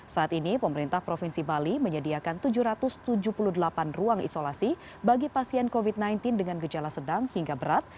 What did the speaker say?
saat ini pemerintah provinsi bali menyediakan tujuh ratus tujuh puluh delapan ruang isolasi bagi pasien covid sembilan belas dengan gejala sedang hingga berat